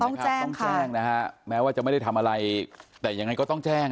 ครับต้องแจ้งนะฮะแม้ว่าจะไม่ได้ทำอะไรแต่ยังไงก็ต้องแจ้ง